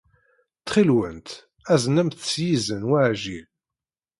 Ttxil-went, aznem-tt s yizen uɛjil.